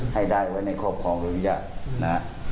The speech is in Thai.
ให้ได้ไว้ในครอบครองหรืออนุญาตนะฮะ